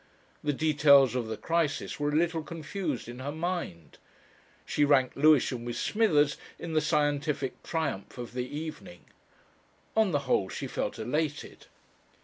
The details of the crisis were a little confused in her mind. She ranked Lewisham with Smithers in the scientific triumph of the evening. On the whole she felt elated.